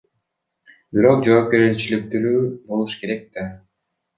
Бирок жоопкерчиликтүү болуш керек да.